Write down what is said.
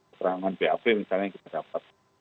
keterangan bap misalnya yang kita dapat